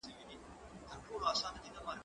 کتابونه د زده کوونکي له خوا وړل کيږي